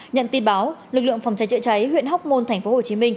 nhận tin báo lực lượng phong chạy chạy cháy huyện hóc môn tp hcm